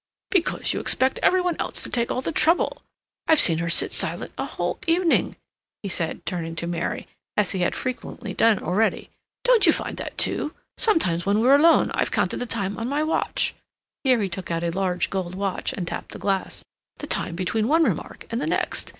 "Because you expect every one else to take all the trouble. I've seen her sit silent a whole evening," he said, turning to Mary, as he had frequently done already. "Don't you find that, too? Sometimes when we're alone, I've counted the time on my watch"—here he took out a large gold watch, and tapped the glass—"the time between one remark and the next.